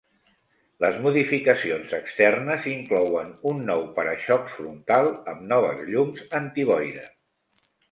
Les modificacions externes inclouen un nou para-xocs frontal amb noves llums antiboira.